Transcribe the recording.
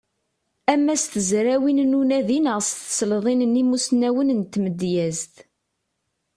Ama s tezrawin n unadi neɣ s tselḍin n yimussnawen n tmedyazt.